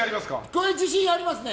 これ、自信ありますね。